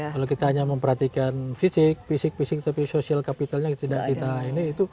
kalau kita hanya memperhatikan fisik fisik tapi social capitalnya tidak kita ini